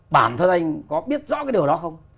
bản thân anh có biết rõ cái điều đó không